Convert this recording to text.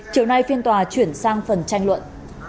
chiều nay phiên tòa chuyển sang phần tranh luận